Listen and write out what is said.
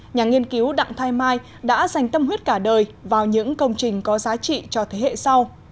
nhà nghiên cứu đặng thái mai đã dành tâm huyết cả đời vào những công trình có giá trị cho thế hệ sau